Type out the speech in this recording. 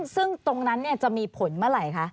ซึ่งตรงนั้นจะมีผลเมื่อไหร่คะ